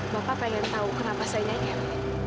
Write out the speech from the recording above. bapak pengen tahu kenapa saya nyanyian